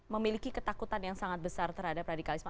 memiliki ketakutan yang sangat besar terhadap radikalisme